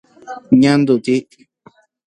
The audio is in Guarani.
Ñanduti.